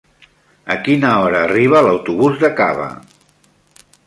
A quina hora arriba l'autobús de Cava?